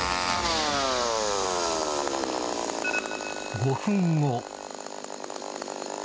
５分後。